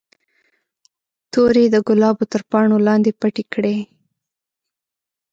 تورې د ګلابو تر پاڼو لاندې پټې کړئ.